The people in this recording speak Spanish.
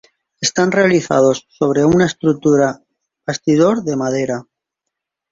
Están realizados sobre una estructura–bastidor de madera.